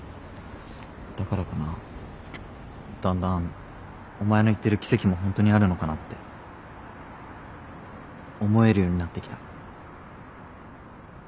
だからかなだんだんお前の言ってる奇跡も本当にあるのかなって思えるようになってきた。